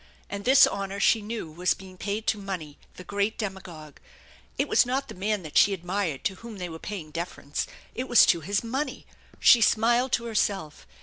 And this honor she knew was being paid to money, the great demagogue. It was not the man that she admired to whom they were paying deference, it was to his money ! She smiled to herself.